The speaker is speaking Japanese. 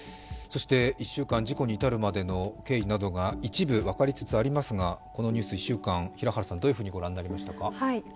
１週間事故に至るまでの経緯などが一部分かりつつありますが、このニュース、１週間どういうふうに御覧になりましたか？